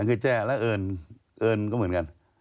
คือแจ้งแล้วเอิญก็เหมือนกัน